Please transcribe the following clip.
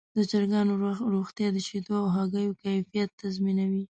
د چرګانو روغتیا د شیدو او هګیو کیفیت تضمینوي.